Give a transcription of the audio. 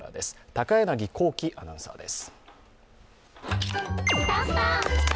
高柳光希アナウンサーです。